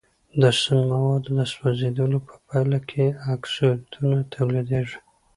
د سون موادو سوځیدلو په پایله کې اکسایدونه تولیدیږي.